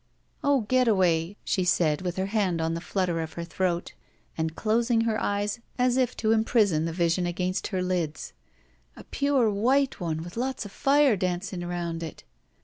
"Oh, Getaway!" she said, with her hand on the flutter oi her throat and closing her eyes as if to ii6 it tti THE VERTICAL CITY imprison the vision against her Uds. "A pure white one with lots of fire dancing around it."